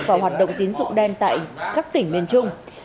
và hoạt động tín dụng đen tại các tỉnh miền trung